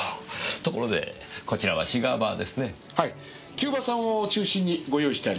キューバ産を中心にご用意してあります。